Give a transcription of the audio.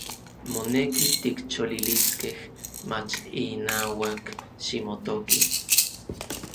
Moneki tikcholiliskej, mach inauak ximotoki.